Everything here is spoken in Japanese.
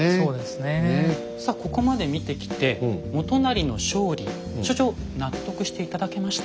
さあここまで見てきて元就の勝利所長納得して頂けました？